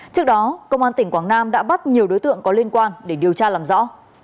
trước đó công an tp tam kỳ đã bắt nhiều đối tượng có liên quan để điều tra làm rõ